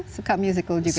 suka musikal juga ya